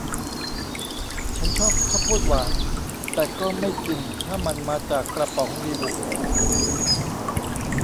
ฉันชอบข้าวโพดหวาน แต่ก็ไม่กินถ้ามันมาจากกระป๋องดีบุก